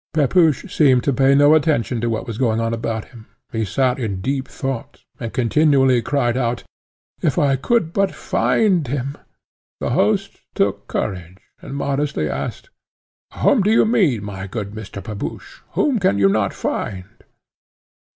Pepusch seemed to pay no attention to what was going on about him; he sate in deep thought, and continually cried out, "If I could but find him! if I could but find him!" The host took courage, and modestly asked, "Whom do you mean, my good Mr. Pepusch? Whom can you not find?"